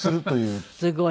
すごい。